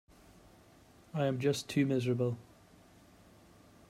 I'm just too miserable.